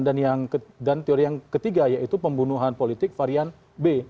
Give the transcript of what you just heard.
dan teori yang ketiga yaitu pembunuhan politik varian b